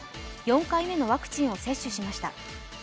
４回目のワクチンを接種しました。